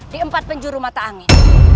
di empat penjuru mata angin